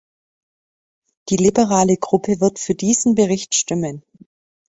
Die liberale Gruppe wird für diesen Bericht stimmen.